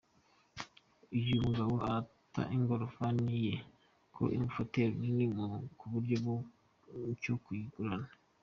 Uyu mugabo arata ingorofani ye ko imufatiye runini ku buryo nta cyo yayigurana.